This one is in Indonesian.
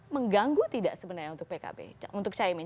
mengganggu tidak sebenarnya untuk pkb untuk caimin